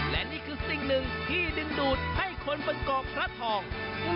และนี่คือสิ่งหนึ่งที่ดึงดูดให้คนบนเกาะพระทอง